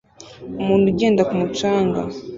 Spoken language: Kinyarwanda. Umuntu ugenda ku mucanga